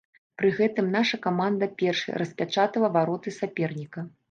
Пры гэтым наша каманда першай распячатала вароты саперніка.